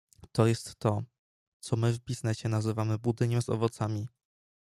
To jest to, co my w biznesie nazywamy budyniem z owocami.